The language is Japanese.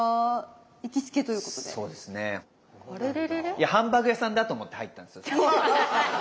いやハンバーグ屋さんだと思って入ったんですよ。